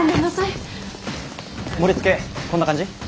盛りつけこんな感じ？